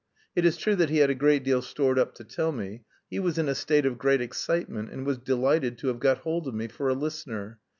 It is true that he had a great deal stored up to tell me. He was in a state of great excitement, and was delighted to have got hold of me for a listener.